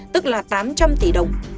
tức là tám trăm linh tỷ đồng